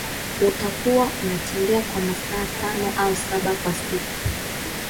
Utakuwa unatembea kwa masaa tano au saba kwa siku